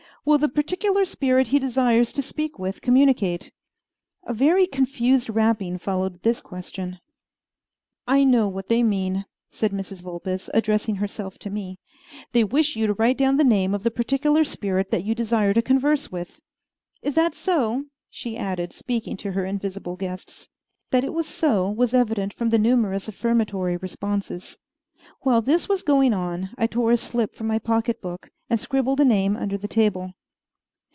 "Will the particular spirit he desires to speak with communicate?" A very confused rapping followed this question. "I know what they mean," said Mrs. Vulpes, addressing herself to me; "they wish you to write down the name of the particular spirit that you desire to converse with. Is that so?" she added, speaking to her invisible guests. That it was so was evident from the numerous affirmatory responses. While this was going on, I tore a slip from my pocket book and scribbled a name under the table.